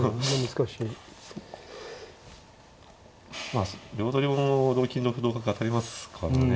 まあ両取りも同金同歩同角当たりますからね。